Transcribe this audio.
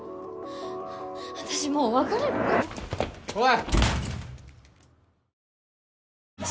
私もう別れるかもおい！